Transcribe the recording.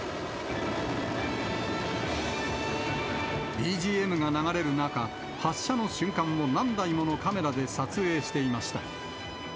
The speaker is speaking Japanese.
ＢＧＭが流れる中、発射の瞬間を何台ものカメラで撮影していました。